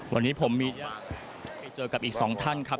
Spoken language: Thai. วันนี้ผมไปเจอกับอีกสองท่านครับ